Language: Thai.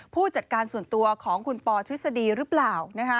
ผู้จัดการส่วนตัวของคุณปอทฤษฎีหรือเปล่า